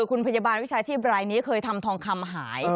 คุณพยาบาลวิชาชีพรายนี้เคยทำทองคำหาย